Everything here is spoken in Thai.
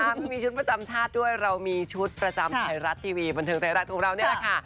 มันมีชุดประจำชาติด้วยเรามีชุดประจำไทยรัฐทีวีบันเทิงไทยรัฐของเรานี่แหละค่ะ